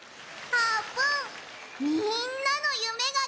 あーぷん！